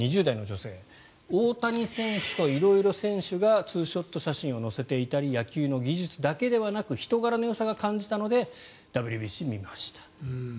２０代の女性大谷選手と色々、選手がツーショット写真を載せていたり野球の技術だけではなく人柄のよさを感じたのでＷＢＣを見ました。